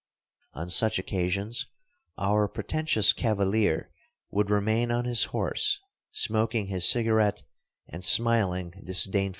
On such occasions our pretentious cavalier would remain on his horse, smoking his cigarette and smiling disdainfully.